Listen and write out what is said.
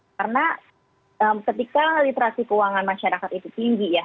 karena ketika literasi keuangan masyarakat itu tinggi ya